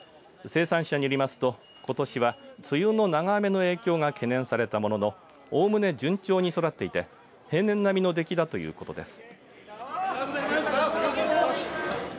生産者によりますとことしは梅雨の長雨の影響が懸念されたもののおおむね順調に育っていて平年並みの出来だということです。